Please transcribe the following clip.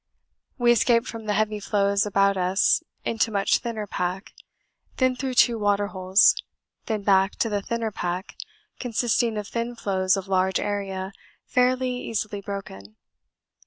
We escaped from the heavy floes about us into much thinner pack, then through two water holes, then back to the thinner pack consisting of thin floes of large area fairly easily broken.